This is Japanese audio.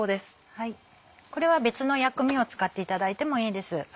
これは別の薬味を使っていただいてもいいです。